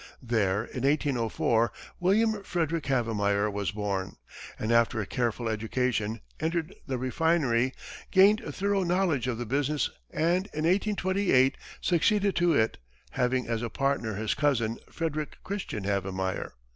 There, in 1804, William Frederick Havemeyer was born, and after a careful education, entered the refinery, gained a thorough knowledge of the business and, in 1828 succeeded to it, having as a partner his cousin, Frederick Christian Havemeyer.